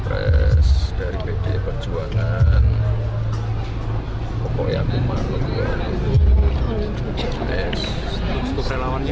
mereka kan lebih dekat dengan jenangan